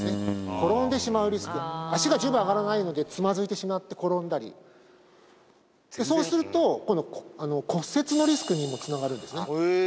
転んでしまうリスク足が十分上がらないのでつまずいてしまって転んだりそうすると今度骨折のリスクにもつながるんですね